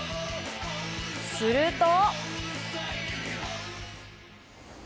すると。